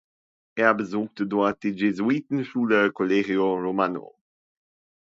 Er besuchte dort die Jesuitenschule „Collegio Romano“.